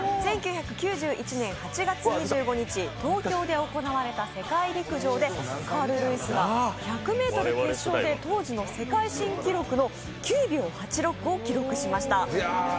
１９９１年８月２５日、東京で行われた世界陸上でカール・ルイスが１００ｍ決勝で当時の世界新記録の９秒８６を記録しました。